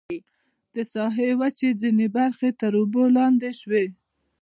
د ساحې وچې ځینې برخې تر اوبو لاندې شوې.